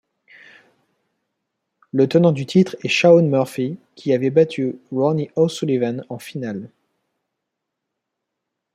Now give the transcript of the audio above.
Le tenant du titre est Shaun Murphy qui avait battu Ronnie O'Sullivan en finale.